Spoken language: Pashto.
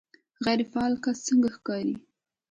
غیر فعال کس څنګه ښکاري